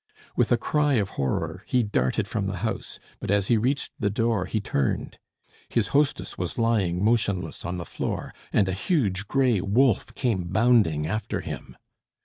With a cry of horror he darted from the house, but as he reached the door he turned. His hostess was lying motionless on the floor, and a huge gray wolf came bounding after him.